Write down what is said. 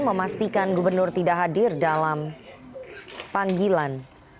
memastikan gubernur tidak hadir dalam panggilan